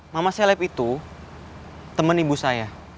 mama seleb itu teman ibu saya